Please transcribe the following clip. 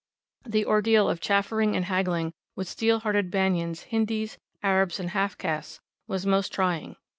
The ordeal of chaffering and haggling with steel hearted Banyans, Hindis, Arabs, and half castes was most trying.